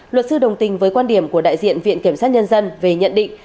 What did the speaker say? luật sư đồng tình với quan điểm của đại diện viện kiểm sát nhân dân về nhận định